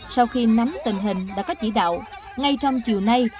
sau khi nắm tình hình đã có chỉ đạo ngay trong chiều nay